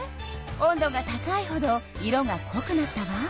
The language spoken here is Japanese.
温度が高いほど色がこくなったわ。